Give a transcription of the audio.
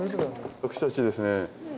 私たちですね